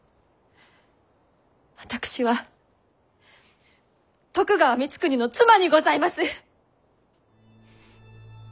私は徳川光圀の妻にございます！